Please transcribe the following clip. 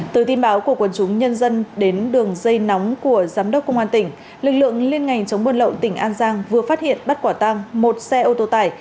từ tin báo của quân chúng nhân dân đến đường dây nóng của giám đốc công an tỉnh lực lượng liên ngành chống buôn lậu tỉnh an giang vừa phát hiện bắt quả tăng một xe ô tô tải